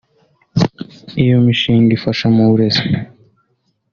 Iyo mishinga ifasha mu burezi